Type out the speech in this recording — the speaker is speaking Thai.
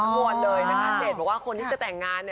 เจทร์บอกว่าคนที่จะแต่งงาน